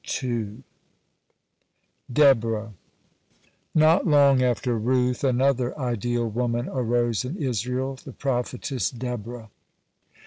(69) DEBORAH Not long after Ruth, another ideal woman arose in Israel, the prophetess Deborah.